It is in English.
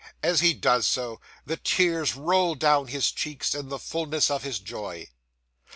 As he does so, the tears roll down his cheeks, in the fullness of his joy.